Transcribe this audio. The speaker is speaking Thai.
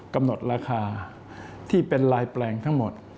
กำหนดราคาที่เป็นลายแปลงทั้งหมด